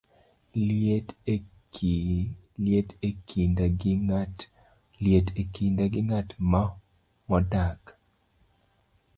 liet e kinda gi ng'at modak